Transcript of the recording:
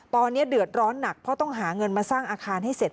ตอนนี้เดือดร้อนหนักเพราะต้องหาเงินมาสร้างอาคารให้เสร็จ